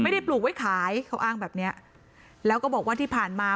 ปลูกไว้ขายเขาอ้างแบบเนี้ยแล้วก็บอกว่าที่ผ่านมา